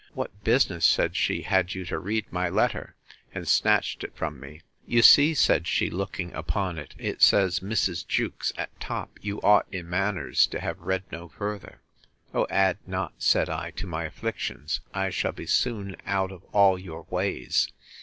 What business, said she, had you to read my letter? and snatched it from me. You see, said she, looking upon it, it says Mrs. Jewkes, at top: You ought, in manners, to have read no further. O add not, said I, to my afflictions! I shall be soon out of all your ways!